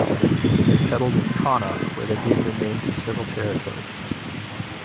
They settled in Connacht, where they gave their name to several territories.